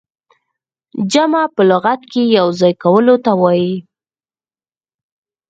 جمع په لغت کښي يو ځاى کولو ته وايي.